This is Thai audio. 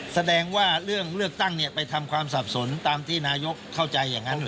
แสดงว่าเรื่องเลือกตั้งไปทำความสับสนตามที่นายกเข้าใจอย่างนั้น